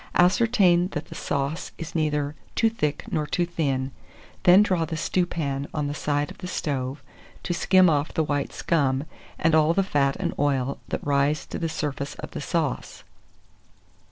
Ascertain that the sauce is neither too thick nor too thin; then draw the stewpan on the side of the stove, to skim off the white scum, and all the fat and oil that rise to the surface of the sauce.